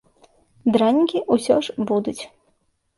Дранікі ўсё ж будуць.